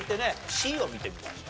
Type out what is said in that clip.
Ｃを見てみましょう。